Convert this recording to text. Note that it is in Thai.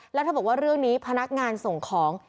แล้วเธอบอกว่าเรื่องนี้พนักงานส่งของ